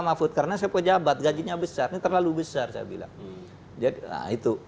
mahfud karena saya pejabat gajinya besar ini terlalu besar saya bilang jadi nah itu